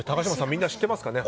みんな知ってますかね。